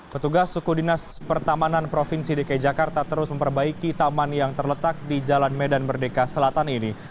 petugas suku dinas pertamanan provinsi dki jakarta terus memperbaiki taman yang terletak di jalan medan merdeka selatan ini